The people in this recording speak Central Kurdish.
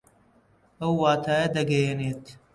ئەو واتایە دەگەیەنێت